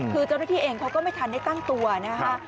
คือเจ้าหน้าที่เองเขาก็ไม่ทันได้ตั้งตัวนะคะ